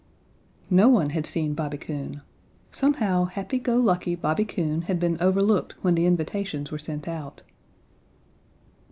No one had seen Bobby Coon. Somehow happy go lucky Bobby Coon had been overlooked when the invitations were sent out.